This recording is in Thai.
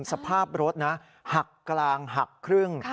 สภาพรถนะหักกลางหักครึ่ง